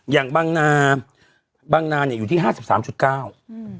อย่างบางนาบางนาเนี่ยอยู่ที่ห้าสิบสามจุดเก้าอืม